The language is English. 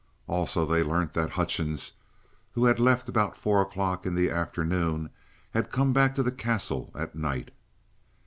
Also they learnt that Hutchings, who had left about four o'clock in the afternoon, had come back to the Castle at night.